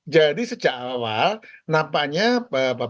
jadi sejak awal nampaknya bapak ibu yang punya ai